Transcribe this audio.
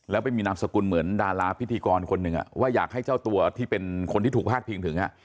แล้วไปมีนามสกุลเหมือนดาราพิธีกรคนหนึ่งว่าอยากให้เจ้าตัวที่เป็นคนที่ถูกพาดพิงถึง